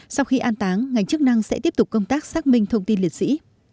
sau khi an táng ngành chức năng sẽ tiếp tục công tác xác minh thông tin liệt sĩ